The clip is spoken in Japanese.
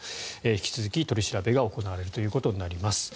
引き続き取り調べが行われるということになります。